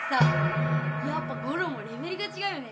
やっぱゴロンはレベルがちがうよね。